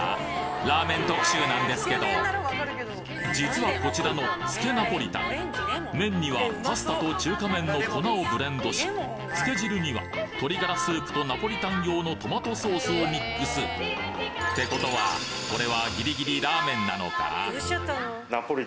ラーメン特集なんですけど実はこちらのつけナポリタン麺にはパスタと中華麺の粉をブレンドしつけ汁には鶏ガラスープとナポリタン用のトマトソースをミックス。ってことはこれはギリギリラーメンなのか？